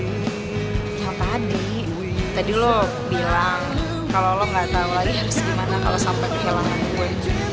yang tadi tadi lo bilang kalau lo enggak tahu lagi harus gimana kalau sampai kehilangan gue